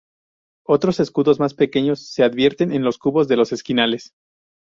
Otros escudos más pequeños se advierten en los cubos de los esquinales.